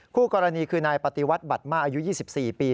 คู่กรณีคือนายปฏิวัติบัตรมาอายุ๒๔ปี